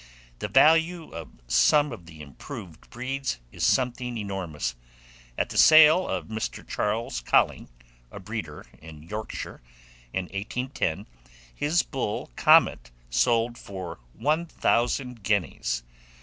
The value of some of the improved breeds is something enormous. At the sale of Mr. Charles Colling, a breeder in Yorkshire, in 1810, his bull "Comet" sold for 1,000 guineas.